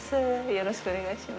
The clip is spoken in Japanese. よろしくお願いします。